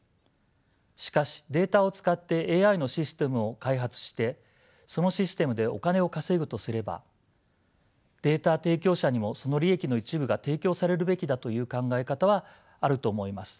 しかしデータを使ってＡＩのシステムを開発してそのシステムでお金を稼ぐとすればデータ提供者にもその利益の一部が提供されるべきだという考え方はあると思います。